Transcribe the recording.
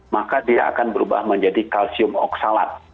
maka dia akan berubah menjadi kalsium oksalat